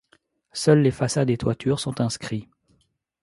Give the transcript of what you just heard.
Seuls les façades et toitures sont inscrits.